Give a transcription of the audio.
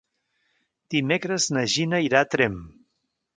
Dimecres na Gina irà a Tremp.